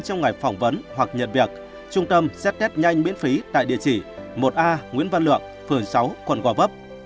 trong ngày phỏng vấn hoặc nhận việc trung tâm xét test nhanh miễn phí tại địa chỉ một a nguyễn văn lượng phường sáu quận gò vấp